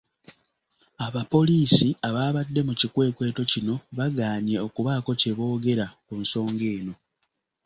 Abapoliisi ababadde mu kikwekweto kino bagaanye okubaako kye boogera ku nsonga eno.